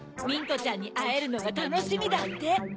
「ミントちゃんにあえるのがたのしみだ」って？